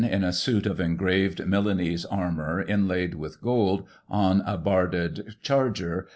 In a suit of engraved Milanese Armour Groom. inlaid with gold, on a barded charger.